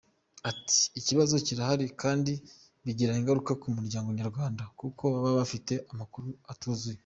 Ati “Ikibazo kirahari kandi bigira ingaruka ku muryango nyarwanda, kuko baba bafite amakuru atuzuye.